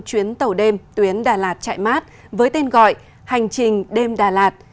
chuyến tàu đêm tuyến đà lạt chạy mát với tên gọi hành trình đêm đà lạt